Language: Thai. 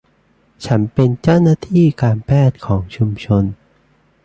ฉันเป็นเจ้าหน้าที่การแพทย์ของชุมชน